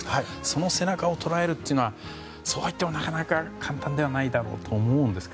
その背中を捉えるというのはそういってもなかなか簡単ではないだろうと思いますが。